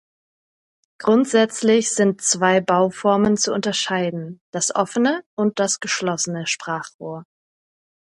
Grundsätzlich sind zwei Bauformen zu unterscheiden: das offene und das geschlossene Sprachrohr.